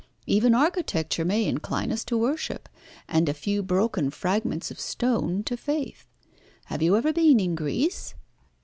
Even architecture may incline us to worship, and a few broken fragments of stone to faith. Have you ever been in Greece?"